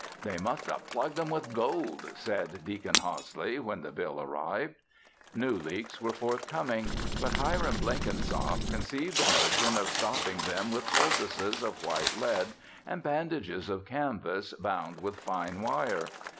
"They must 'a' plugged 'em with gold," said Deacon Hosley, when the bill arrived. New leaks were forthcoming, but Hiram Blenkinsop conceived the notion of stopping them with poultices of white lead and bandages of canvas bound with fine wire.